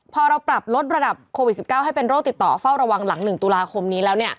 พอเราปรับลดระดับโควิด๑๙ให้เป็นโรคติดต่อเฝ้าระวังหลัง๑ตุลาคมนี้แล้ว